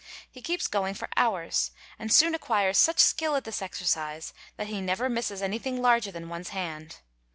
He keeps going for hours and soon acquires such skill at this exercise that he never misses anything larger than one's hand.